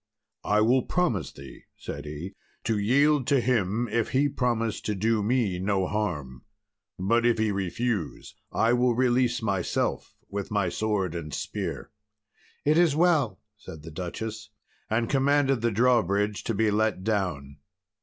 "I will promise thee," said he, "to yield to him, if he promise to do me no harm; but if he refuse, I will release myself with my sword and spear." "It is well," said the duchess; and commanded the drawbridge to be let down.